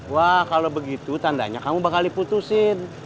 wah kalau begitu tandanya kamu bakal diputusin